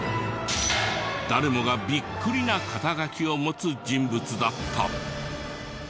誰もがビックリな肩書を持つ人物だった！